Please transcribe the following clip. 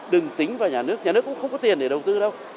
đừng tính và nhà nước nhà nước cũng không có tiền để đầu tư đâu